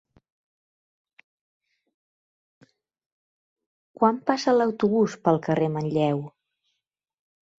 Quan passa l'autobús pel carrer Manlleu?